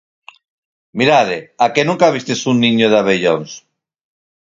"Mirade, a que nunca vistes un niño de abellóns."